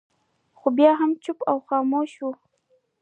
خو بیا هم چوپې او خاموشه وي.